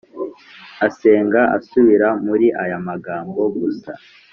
asenga asubira muri ya magambo gusa